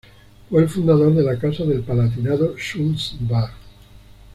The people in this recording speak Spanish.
Fue el fundador de la Casa del Palatinado-Sulzbach.